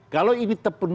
kalau ini terjangkau